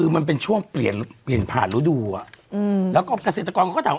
คือมันเป็นช่วงเปลี่ยนเปลี่ยนผ่านฤดูอ่ะอืมแล้วก็เกษตรกรเขาก็ถาม